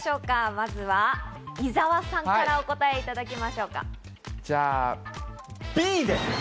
まずは伊沢さんからお答えいただきましょじゃあ、Ｂで。